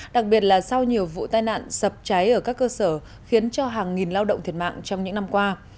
đặc biệt là sau nhiều vụ tai nạn sập cháy ở các cơ sở khiến cho hàng nghìn lao động thiệt mạng trong những năm qua